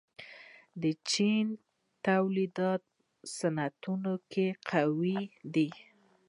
چین په تولیدي صنعتونو کې قوي دی.